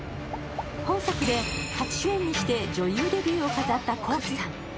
本作で初主演にして女優デビューを飾ったＫｏｋｉ，さん。